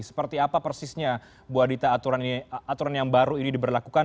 seperti apa persisnya bu adita aturan yang baru ini diberlakukan